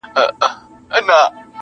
ته به کور سې د تورمخو ځالګیو -